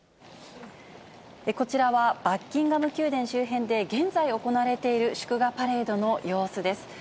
こちらは、バッキンガム宮殿周辺で、現在行われている祝賀パレードの様子です。